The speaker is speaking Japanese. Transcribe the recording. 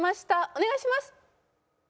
お願いします。